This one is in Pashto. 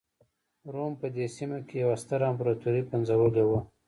روم په دې سیمه کې یوه ستره امپراتوري پنځولې وه.